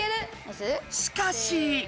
しかし。